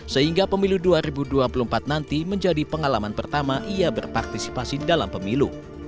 sehingga pemilu dua ribu dua puluh empat nanti menjadi pengalaman pertama ia berpartisipasi dalam pemilu